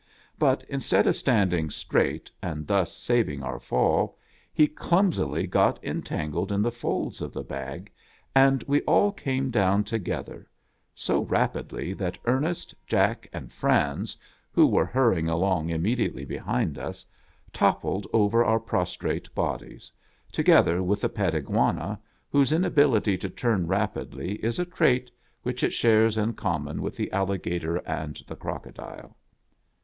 But instead of standing straight, and thus saving our fall, he clumsily got entangled in the folds of the bag, and we all came down together, — so rapidly, that Ernest, Jack, and Franz, who were hurrying along immedi ately behind us, toppled over our prostrate bodies, together with the pet Iguana, whose inability to turn rapid!; is a trait which it shares in common with the Alligator and the Crocodile.